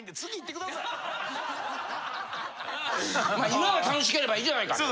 今が楽しければいいじゃないかと。